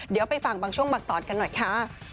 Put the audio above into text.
เดี๋ยวไปฟังบางช่วงบางตอนกันหน่อยค่ะ